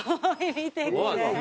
見てこれ。